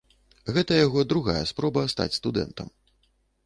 Гэта яго другая спроба стаць студэнтам.